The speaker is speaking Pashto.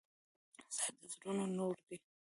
سهار د زړونو نور ده.